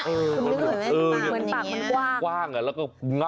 เหมือนปากมันกว้าง